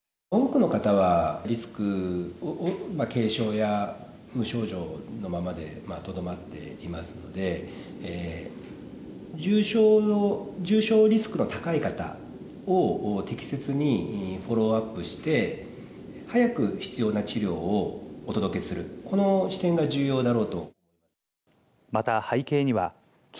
多くの方は、リスクを、軽症や無症状のままでとどまっていますので、重症リスクの高い方を適切にフォローアップして、早く必要な治療をお届けする、この視点が重要だろうと。